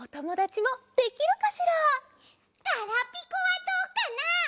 ガラピコはどうかな？